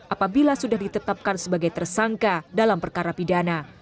apabila sudah ditetapkan sebagai tersangka dalam perkara pidana